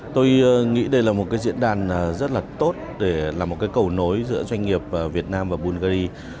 tôi nghĩ đây là một diễn đàn rất tốt để là một cầu nối giữa doanh nghiệp việt nam và bungary